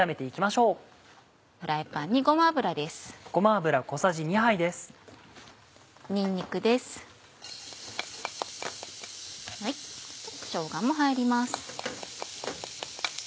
しょうがも入ります。